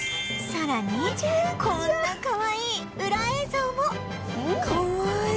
さらにこんなかわいいウラ映像もかわいい！